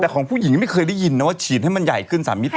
แต่ของผู้หญิงไม่เคยได้ยินนะว่าฉีดให้มันใหญ่ขึ้น๓มิติ